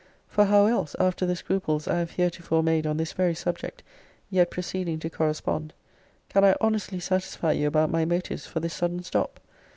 For how else, after the scruples I have heretofore made on this very subject, yet proceeding to correspond, can I honestly satisfy you about my motives for this sudden stop?